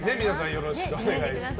よろしくお願いします。